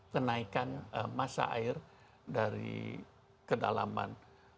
kenaikan masa air dari kedalaman lima ratus